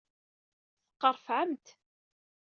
Teqqrefɛemt.